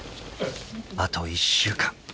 ［あと１週間］